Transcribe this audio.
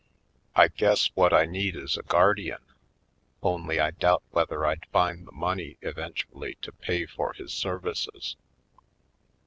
I guess what I need is a guardian — only I doubt whether I'd find the money eventu ally to pay for his services.